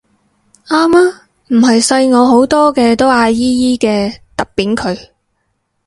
啱啊唔係細我好多都嗌姨姨嘅揼扁佢